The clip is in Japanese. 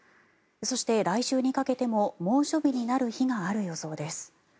そして、来週にかけても猛暑日になる日がある予想です。